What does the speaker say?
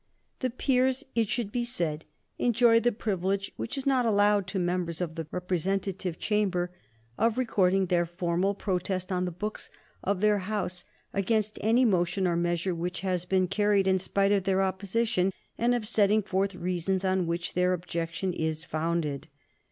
The peers, it should be said, enjoy the privilege, which is not allowed to members of the representative chamber, of recording their formal protest on the books of their House against any motion or measure which has been carried in spite of their opposition, and of setting forth reasons on which their objection is founded.